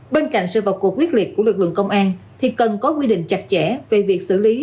bên cạnh sự vật cuộc quyết liệt của lực lượng công an thì cần có quy định chặt chẽ về việc xử lý